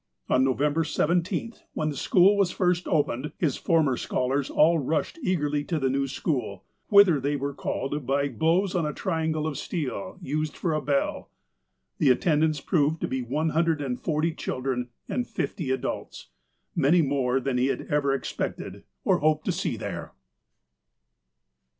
On November 17th, when the school was first opened, his former scholars all rushed eagerly to the new school, whither they were called by blows on a triangle of steel, used for a bell. The attendance proved to be one hundred and forty children and fifty adults — many more than he had ever expected, or hoped to see there.